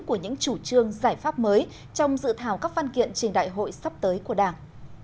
của những chủ trương giải pháp mới trong dự thảo các văn kiện trình đại hội sắp tới của đảng